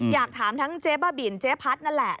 อยากถามทั้งเจ๊บ้าบินเจ๊พัดนั่นแหละ